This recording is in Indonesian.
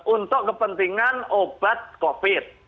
untuk kepentingan obat covid